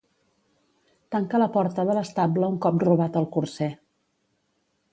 Tanca la porta de l'estable un cop robat el corser